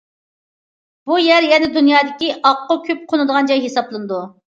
بۇ يەر يەنە دۇنيادىكى ئاققۇ كۆپ قونىدىغان جاي ھېسابلىنىدۇ.